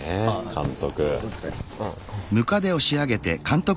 監督。